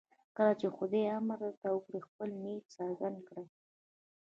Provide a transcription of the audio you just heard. کله چې خدای امر درته وکړي خپل نیت څرګند کړئ.